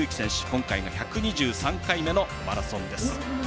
今回が１２３回目のマラソンです。